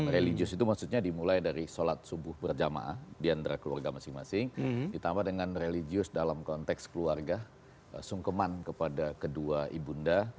religius itu maksudnya dimulai dari sholat subuh berjamaah diantara keluarga masing masing ditambah dengan religius dalam konteks keluarga sungkeman kepada kedua ibunda